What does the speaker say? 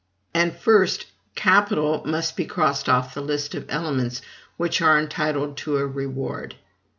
And, first, CAPITAL must be crossed off the list of elements which are entitled to a reward.